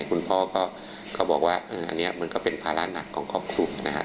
คุณพ่อก็บอกว่าอันนี้มันก็เป็นภาระหนักของครอบครัวนะฮะ